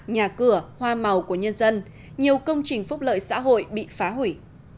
nhà cửa hoa màu của nhân dân nhiều công trình phúc lợi xã hội bị phá hủy